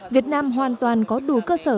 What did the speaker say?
việt nam hoàn toàn có đủ cơ sở